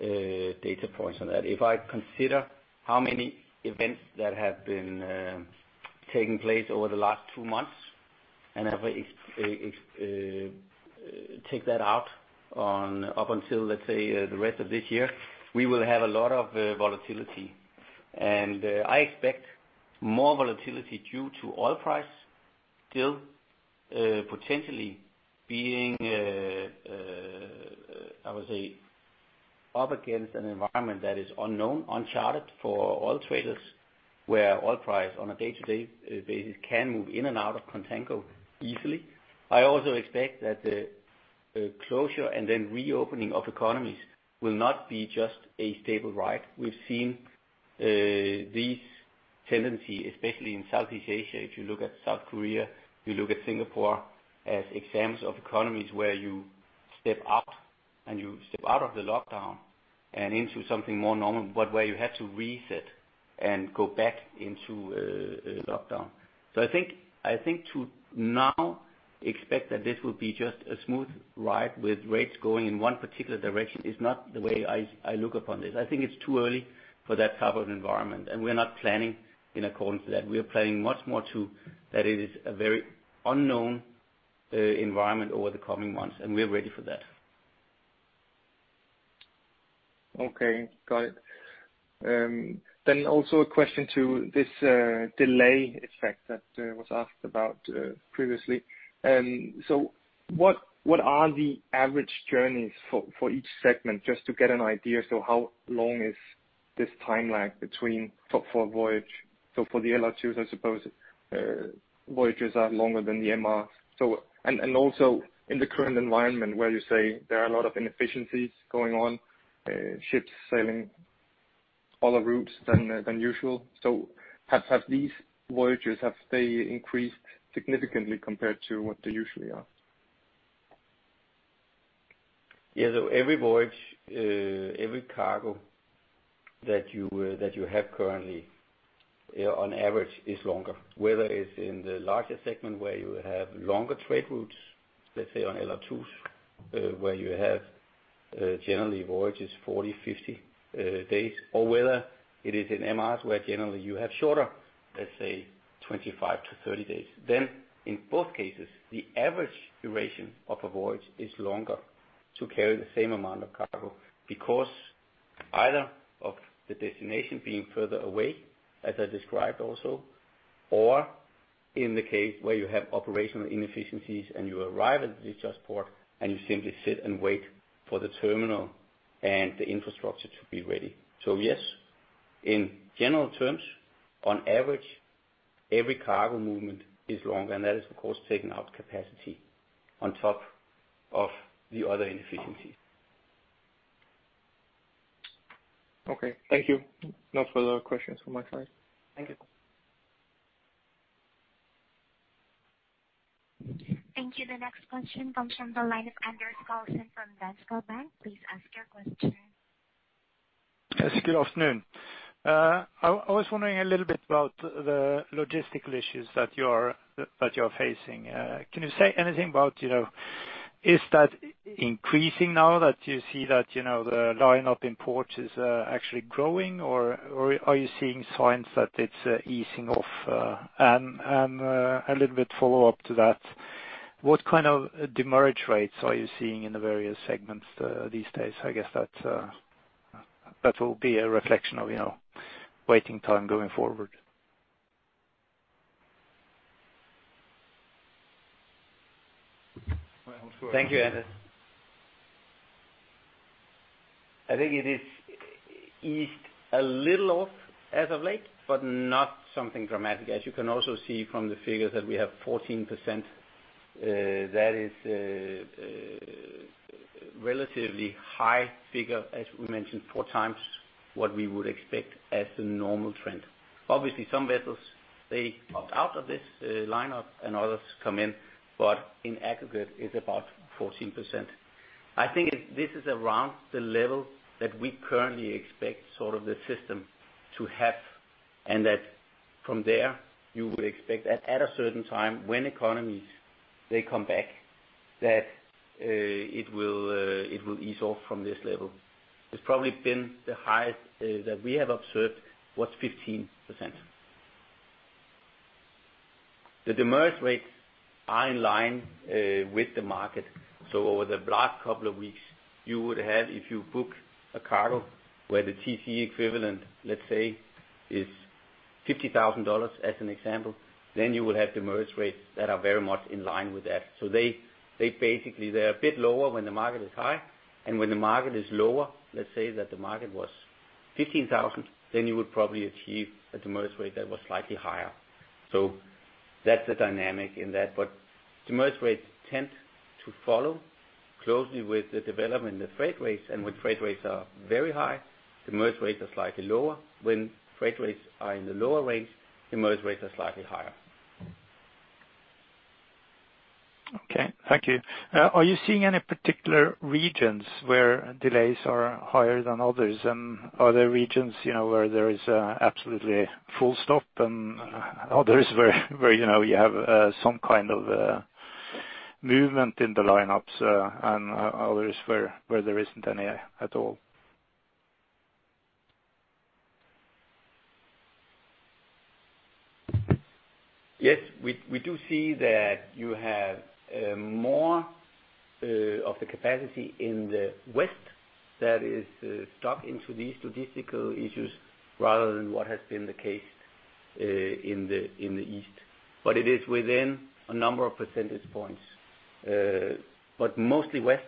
S2: data points on that. If I consider how many events that have been taking place over the last 2 months, and if I take that out on up until, let's say, the rest of this year, we will have a lot of volatility. I expect more volatility due to oil price still potentially being, I would say, up against an environment that is unknown, uncharted for oil traders, where oil price, on a day-to-day basis, can move in and out of contango easily. I also expect that the closure and then reopening of economies will not be just a stable ride. We've seen this tendency, especially in Southeast Asia, if you look at South Korea, if you look at Singapore, as examples of economies where you step up and you step out of the lockdown and into something more normal, but where you have to reset and go back into lockdown. I think to now expect that this will be just a smooth ride with rates going in one particular direction, is not the way I look upon this. I think it's too early for that type of environment, and we're not planning in accordance to that. We are planning much more to, that it is a very unknown environment over the coming months, and we are ready for that.
S7: Okay, got it. Also a question to this delay effect that was asked about previously. What are the average journeys for each segment? Just to get an idea, how long is this timeline between top four voyage? For the LR2s, I suppose, voyages are longer than the MR. Also in the current environment, where you say there are a lot of inefficiencies going on, ships sailing other routes than usual. Have these voyages, have they increased significantly compared to what they usually are?
S2: Yeah. Every voyage, every cargo that you, that you have currently, on average, is longer. Whether it's in the larger segment, where you have longer trade routes, let's say on LR2s, where you have, generally voyages 40, 50 days, or whether it is in MRs, where generally you have shorter, let's say, 25-30 days. In both cases, the average duration of a voyage is longer to carry the same amount of cargo, because either of the destination being further away, as I described also, or in the case where you have operational inefficiencies and you arrive at the port, and you simply sit and wait for the terminal and the infrastructure to be ready. Yes, in general terms, on average, every cargo movement is longer, and that is, of course, taking out capacity on top of the other inefficiencies.
S7: Okay. Thank you. No further questions from my side.
S2: Thank you.
S4: Thank you. The next question comes from the line of Anders Karlsen from Danske Bank. Please ask your question.
S8: Yes, good afternoon. I was wondering a little bit about the logistical issues that you're, that you're facing. Can you say anything about, you know, is that increasing now, that you see that, you know, the line-up in ports is, actually growing? Or are you seeing signs that it's, easing off? A little bit follow-up to that, what kind of demurrage rates are you seeing in the various segments, these days? I guess that will be a reflection of, you know, waiting time going forward.
S2: Thank you, Anders. I think it is eased a little off as of late, but not something dramatic. As you can also see from the figures that we have 14%, that is a relatively high figure, as we mentioned, 4x what we would expect as the normal trend. Obviously, some vessels, they opt out of this lineup and others come in, but in aggregate, it's about 14%. I think this is around the level that we currently expect sort of the system to have, and that from there, you would expect that at a certain time, when economies, they come back, that it will, it will ease off from this level. It's probably been the highest that we have observed, was 15%. The demurrage rates are in line with the market. Over the last couple of weeks, you would have, if you book a cargo where the TCE equivalent, let's say, is $50,000 as an example, then you will have demurrage rates that are very much in line with that. They basically, they're a bit lower when the market is high, and when the market is lower, let's say that the market was $15,000, then you would probably achieve a demurrage rate that was slightly higher. That's the dynamic in that. Demurrage rates tend to follow closely with the development in the freight rates, and when freight rates are very high, demurrage rates are slightly lower. When freight rates are in the lower range, demurrage rates are slightly higher.
S8: Okay, thank you. Are you seeing any particular regions where delays are higher than others, and other regions, you know, where there is absolutely full stop, and others where, you know, you have some kind of movement in the lineups, and others where there isn't any at all?
S2: Yes, we do see that you have more of the capacity in the west that is stuck into these logistical issues rather than what has been the case in the east. It is within a number of percentage points, but mostly west,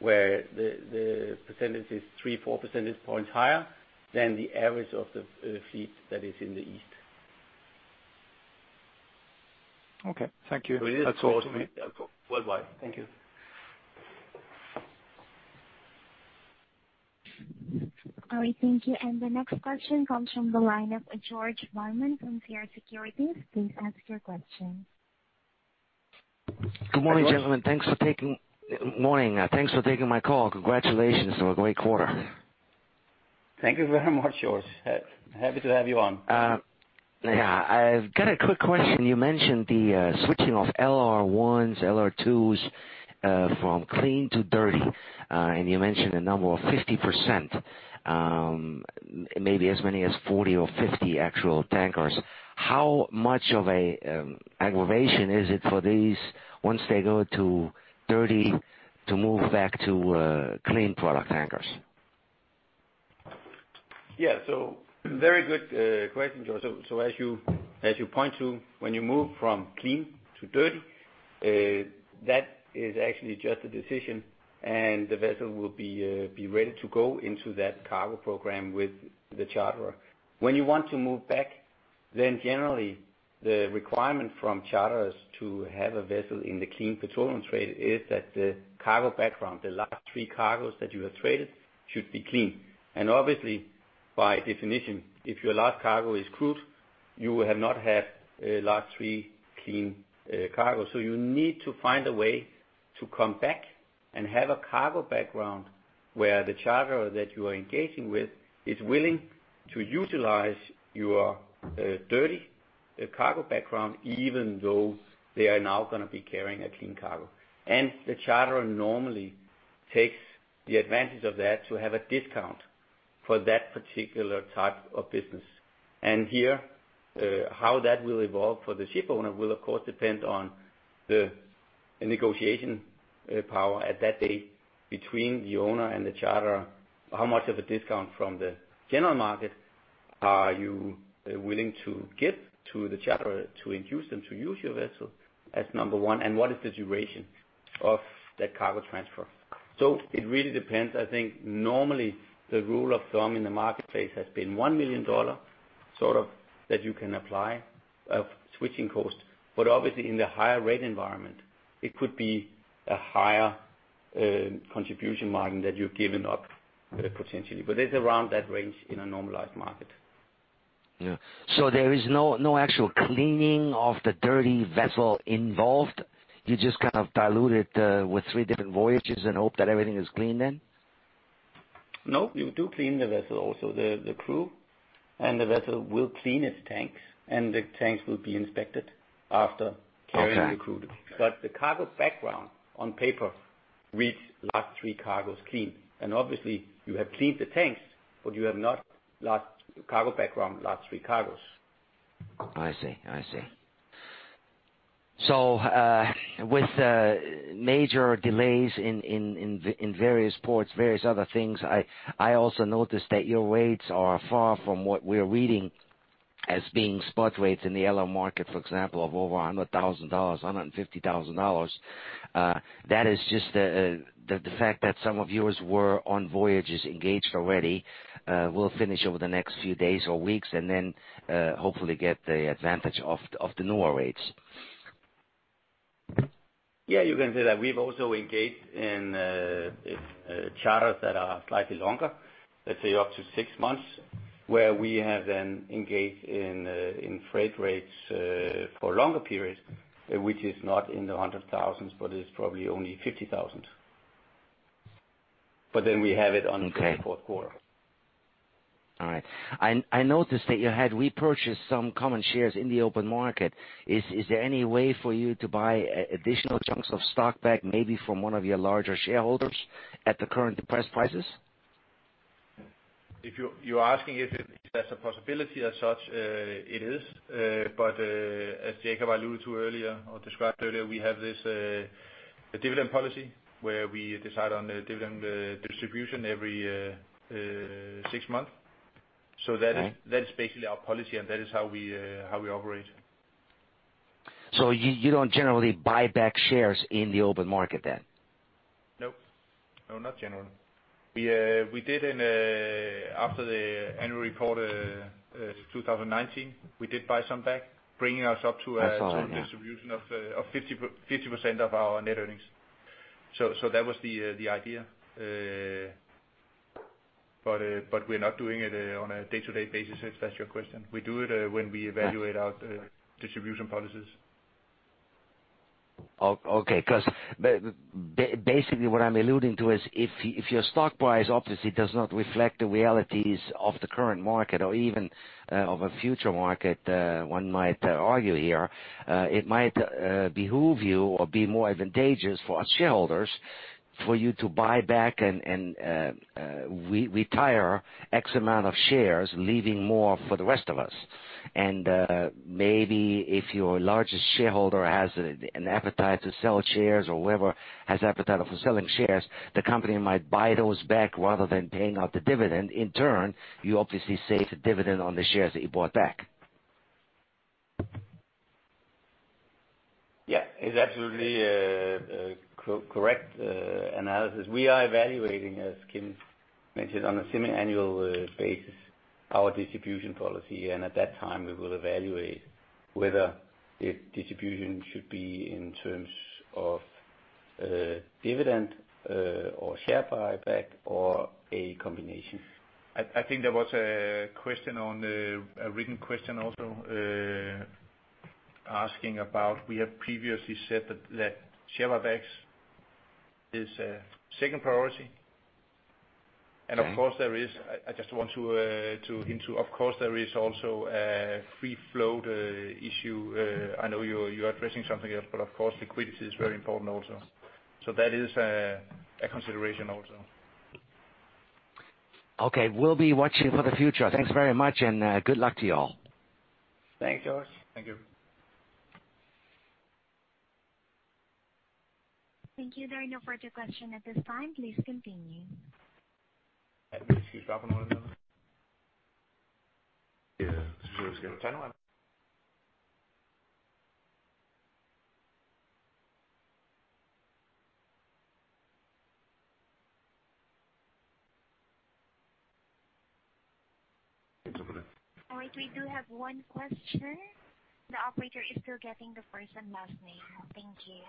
S2: where the percentage is 3, 4 percentage points higher than the average of the fleet that is in the east.
S8: Okay, thank you.
S2: It is.
S8: That's all to me.
S2: Worldwide. Thank you.
S4: All right, thank you. The next question comes from the line of George Burman from CR Securities. Please ask your question.
S9: Good morning, gentlemen. Morning, thanks for taking my call. Congratulations on a great quarter.
S2: Thank you very much, George. Happy to have you on.
S9: Yeah, I've got a quick question. You mentioned the switching of LR1s, LR2s, from clean to dirty, and you mentioned a number of 50%, maybe as many as 40 or 50 actual tankers. How much of a aggravation is it for these once they go to dirty, to move back to clean product tankers?
S2: Yeah. Very good question, George. As you point to, when you move from clean to dirty, that is actually just a decision, and the vessel will be ready to go into that cargo program with the charterer. When you want to move back, generally, the requirement from charterers to have a vessel in the clean petroleum trade is that the cargo background, the last three cargoes that you have traded, should be clean. Obviously, by definition, if your last cargo is crude, you will have not had a last three clean cargo. You need to find a way to come back and have a cargo background where the charterer that you are engaging with is willing to utilize your dirty cargo background, even though they are now going to be carrying a clean cargo. The charterer normally takes the advantage of that to have a discount for that particular type of business. Here, how that will evolve for the shipowner will, of course, depend on the negotiation power at that date between the owner and the charterer. How much of a discount from the general market are you willing to give to the charterer to induce them to use your vessel as number one, and what is the duration of that cargo transfer? It really depends. I think normally, the rule of thumb in the marketplace has been $1 million, sort of, that you can apply of switching costs, but obviously, in the higher rate environment, it could be a higher contribution margin that you're giving up, potentially. It's around that range in a normalized market.
S9: Yeah. There is no actual cleaning of the dirty vessel involved? You just kind of dilute it with three different voyages and hope that everything is clean then?
S2: No, you do clean the vessel. Also, the crew and the vessel will clean its tanks, and the tanks will be inspected after.
S9: Okay.
S2: the crude. The cargo background on paper reads, "Last three cargoes clean." Obviously, you have cleaned the tanks, but you have not last cargo background, last 3 cargoes.
S9: I see. I see. With major delays in various ports, various other things, I also noticed that your rates are far from what we're reading as being spot rates in the LO market, for example, of over $100,000, $150,000, that is just the fact that some of yours were on voyages engaged already, will finish over the next few days or weeks, and then hopefully get the advantage of the newer rates.
S2: Yeah, you can say that. We've also engaged in charters that are slightly longer, let's say up to six months, where we have then engaged in freight rates for longer periods, which is not in the $100,000s, but it's probably only $50,000.
S9: Okay.
S2: Fourth quarter.
S9: All right. I noticed that you had repurchased some common shares in the open market. Is there any way for you to buy additional chunks of stock back, maybe from one of your larger shareholders at the current depressed prices?
S3: If you're asking if that's a possibility as such, it is. As Jacob alluded to earlier or described earlier, we have this dividend policy, where we decide on the dividend distribution every six months.
S9: Okay.
S3: that is, that is basically our policy, and that is how we, how we operate.
S9: You, you don't generally buy back shares in the open market, then?
S3: No. No, not generally. We did in after the annual report 2019, we did buy some back, bringing us up to a-
S9: That's all right, yeah.
S3: Total distribution of 50% of our net earnings. That was the idea. We're not doing it on a day-to-day basis, if that's your question. We do it when we evaluate.
S9: Yeah
S3: our distribution policies.
S9: Okay, 'cause basically, what I'm alluding to is if your stock price obviously does not reflect the realities of the current market or even of a future market, one might argue here, it might behoove you or be more advantageous for us shareholders, for you to buy back and retire X amount of shares, leaving more for the rest of us. Maybe if your largest shareholder has an appetite to sell shares or whoever has appetite for selling shares, the company might buy those back rather than paying out the dividend. In turn, you obviously save the dividend on the shares that you bought back.
S2: Yeah, it's absolutely correct analysis. We are evaluating, as Kim mentioned, on a semiannual basis, our distribution policy. At that time, we will evaluate whether the distribution should be in terms of dividend, or share buyback, or a combination.
S3: I think there was a written question also, asking about, we have previously said that share buybacks is a second priority.
S9: Okay.
S3: Of course, there is, I just want to hint to, of course, there is also a free float issue. I know you're addressing something else, but of course, liquidity is very important also. That is a consideration also.
S9: Okay. We'll be watching for the future. Thanks very much, and good luck to you all.
S2: Thanks, George.
S3: Thank you.
S4: Thank you. There are no further question at this time. Please continue.
S3: Keep dropping one another. Yeah, let's give 10 more.
S4: All right, we do have one question. The operator is still getting the first and last name. Thank you.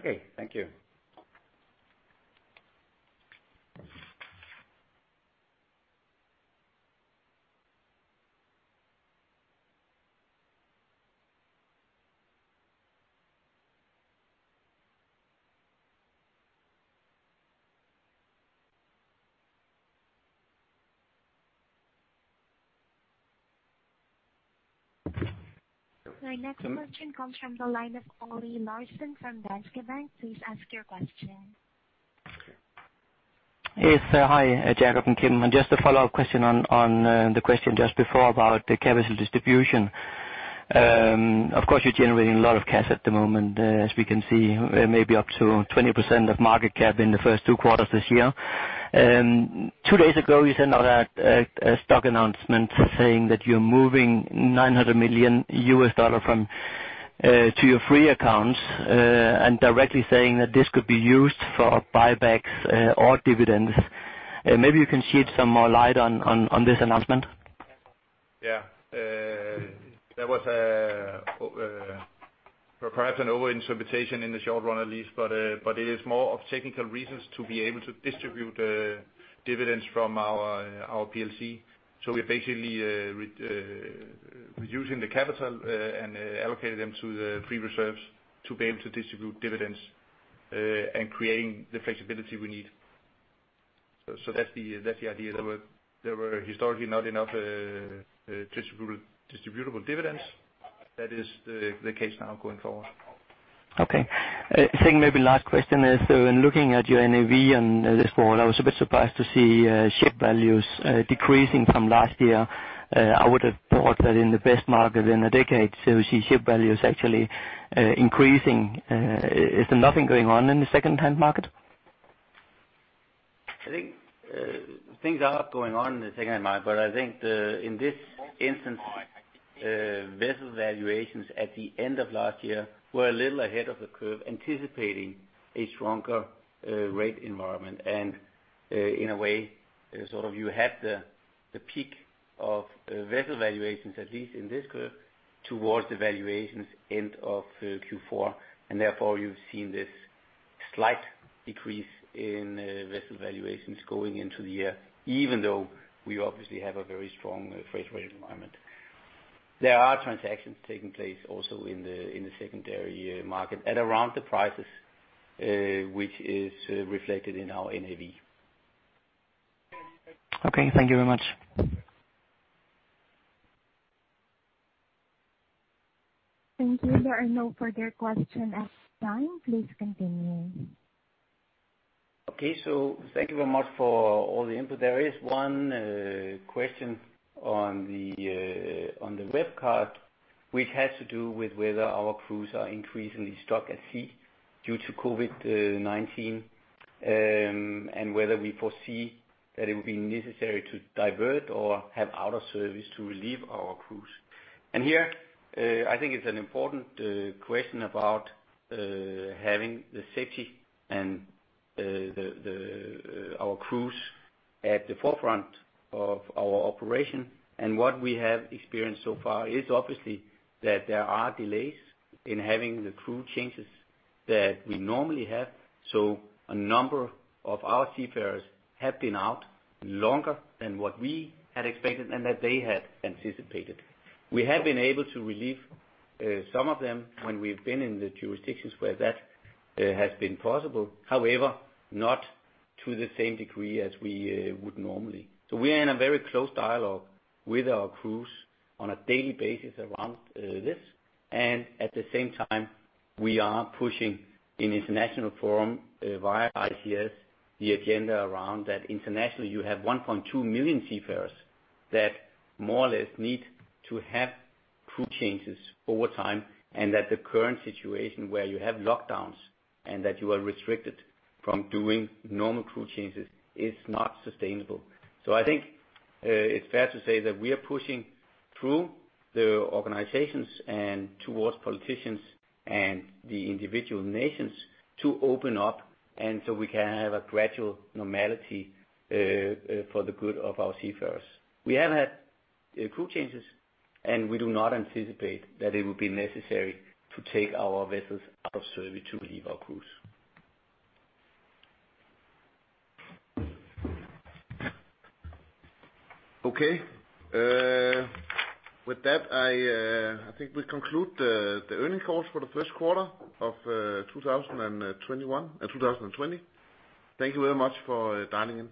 S2: Okay, thank you.
S4: Our next question comes from the line of Anders Karlsen from Danske Bank. Please ask your question.
S8: Yes. Hi, Jacob and Kim. Just a follow-up question on the question just before about the capital distribution. Of course, you're generating a lot of cash at the moment, as we can see, maybe up to 20% of market cap in the first two quarters this year. Two days ago, you sent out a stock announcement saying that you're moving $900 million from to your free accounts and directly saying that this could be used for buybacks or dividends. Maybe you can shed some more light on this announcement?
S3: Yeah. That was perhaps an overinterpretation in the short run, at least, but it is more of technical reasons to be able to distribute dividends from our PLC. We're basically reducing the capital and allocating them to the pre-reserves, to be able to distribute dividends and creating the flexibility we need. That's the idea. There were historically not enough distributable dividends. That is the case now going forward.
S8: Okay. I think maybe last question is: When looking at your NAV and this quarter, I was a bit surprised to see ship values decreasing from last year. I would have thought that in the best market in a decade, so we see ship values actually increasing. Is there nothing going on in the second-hand market?
S2: I think things are going on in the second market, but I think the, in this instance, vessel valuations at the end of last year were a little ahead of the curve, anticipating a stronger rate environment. In a way, sort of you had the peak of vessel valuations, at least in this curve, towards the valuations end of Q4, therefore, you've seen this slight decrease in vessel valuations going into the year, even though we obviously have a very strong freight rate environment. There are transactions taking place also in the, in the secondary market at around the prices, which is reflected in our NAV. Okay, thank you very much.
S4: Thank you. There are no further question at this time. Please continue.
S2: Okay, thank you very much for all the input. There is one question on the web card, which has to do with whether our crews are increasingly stuck at sea due to COVID-19. Whether we foresee that it would be necessary to divert or have out of service to relieve our crews. Here, I think it's an important question about having the safety and the our crews at the forefront of our operation. What we have experienced so far is obviously, that there are delays in having the crew changes that we normally have. A number of our seafarers have been out longer than what we had expected and that they had anticipated. We have been able to relieve some of them when we've been in the jurisdictions where that has been possible, however, not to the same degree as we would normally. We are in a very close dialogue with our crews on a daily basis around this, and at the same time, we are pushing an international forum via ICS, the agenda around that. Internationally, you have 1.2 million seafarers that more or less need to have crew changes over time, and that the current situation where you have lockdowns and that you are restricted from doing normal crew changes, is not sustainable. I think it's fair to say that we are pushing through the organizations and towards politicians and the individual nations to open up, and so we can have a gradual normality for the good of our seafarers. We have had crew changes, and we do not anticipate that it would be necessary to take our vessels out of service to relieve our crews.
S1: Okay, with that, I think we conclude the earnings calls for the first quarter of 2021, 2020. Thank you very much for dialing in.